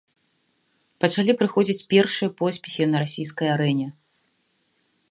Пачалі прыходзіць першыя поспехі на расійскай арэне.